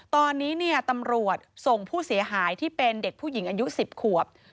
ตอนนี้ตำรวจส่งผู้เสียหายที่เป็นเด็กผู้หญิงอายุ๑๐ขวบ